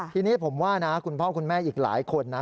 ทีนี้ผมว่านะคุณพ่อคุณแม่อีกหลายคนนะ